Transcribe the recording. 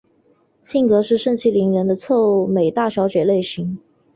性格是盛气凌人的臭美大小姐类型。